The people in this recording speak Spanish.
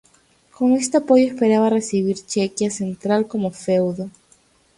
Con este apoyo esperaba recibir Chequia central como feudo.